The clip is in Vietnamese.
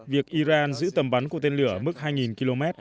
việc iran giữ tầm bắn của tên lửa mức hai km